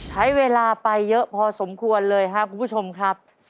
ใช้เวลาไปเยอะพอสมควรเลยครับคุณผู้ชมครับ